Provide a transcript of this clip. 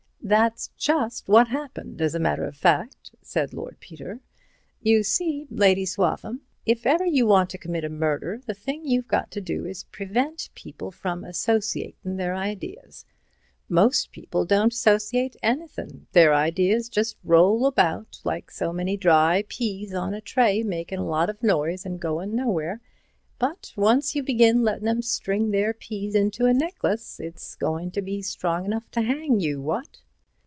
'" "That's just what happened, as a matter of fact," said Lord Peter. "You see, Lady Swaffham, if ever you want to commit a murder, the thing you've got to do is to prevent people from associatin' their ideas. Most people don't associate anythin'—their ideas just roll about like so many dry peas on a tray, makin' a lot of noise and goin' nowhere, but once you begin lettin' 'em string their peas into a necklace, it's goin' to be strong enough to hang you, what?"